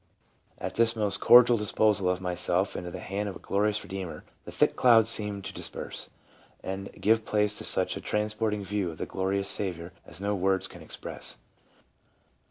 334 LEUBA :" At this most cordial disposal of myself into the hand of a glorious Bedeemer, the thick clouds seemed to disperse, and give place to such a transporting view of the glorious Saviour as no words can express."